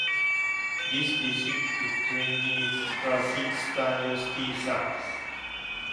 This district retains classic-style streetlamps.